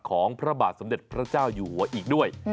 ของพระบาทสมเด็จพระเจ้าอยู่หัวอีกด้วย